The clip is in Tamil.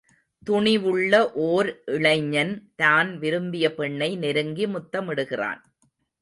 துணிவுள்ள ஓர் இளைஞன் தான் விரும்பிய பெண்ணை நெருங்கி முத்தமிடுகிறான்.